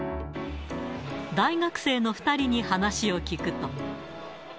大学生の２人に話を聞くと。